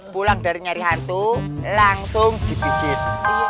pulang dari nyari hantu langsung dipijit